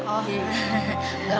oh udah han